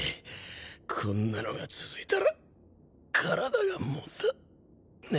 こんなのが続いたら体が持たね。